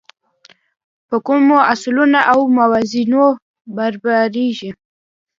په کومو اصولو او موازینو برابرېږي.